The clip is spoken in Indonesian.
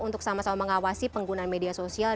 untuk sama sama mengawasi penggunaan media sosial